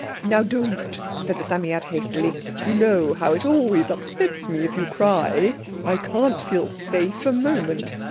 "Now don't," said the Psammead hastily; "you know how it always upsets me if you cry. I can't feel safe a moment.